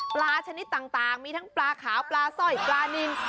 ชนิดต่างมีทั้งปลาขาวปลาสร้อยปลานิน